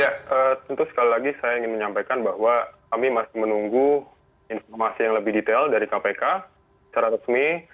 ya tentu sekali lagi saya ingin menyampaikan bahwa kami masih menunggu informasi yang lebih detail dari kpk secara resmi